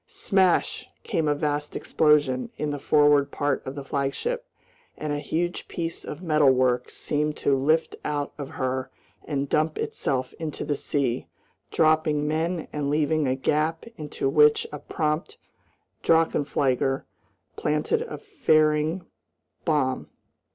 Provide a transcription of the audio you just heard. Smash! came a vast explosion in the forward part of the flagship, and a huge piece of metalwork seemed to lift out of her and dump itself into the sea, dropping men and leaving a gap into which a prompt drachenflieger planted a flaring bomb.